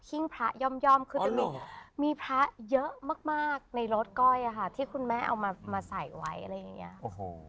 พระย่อมคือจะมีพระเยอะมากในรถก้อยอะค่ะที่คุณแม่เอามาใส่ไว้อะไรอย่างเงี้ยโอ้โห